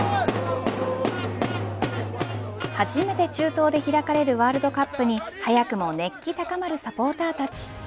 初めて中東で開かれるワールドカップに早くも熱気高まるサポーターたち。